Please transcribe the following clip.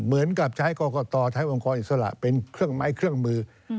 เหมือนกับใช้กรกตใช้องค์กรอิสระเป็นเครื่องไม้เครื่องมือ